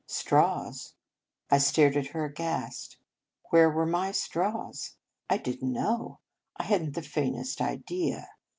Straws! I stared at her aghast. Where were my straws? I didn t know. I hadn t the faintest idea.